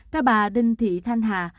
các bà đinh thị thanh hà